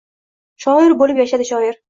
Shoir bo’lib yashadi shoir.